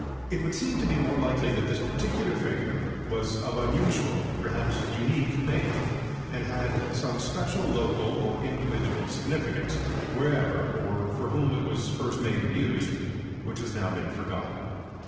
It would seem to be more likely that this particular figure was of unusual, perhaps unique, make, and had some special local or individual significance, wherever or for whom it was first made and used, which has now been forgotten.